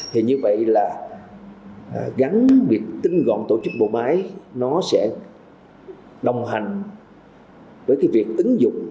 thì như vậy là gắn việc tinh gọn tổ chức bộ máy nó sẽ đồng hành với cái việc ứng dụng